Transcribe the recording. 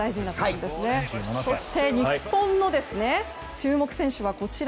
そして日本の注目選手はこちら。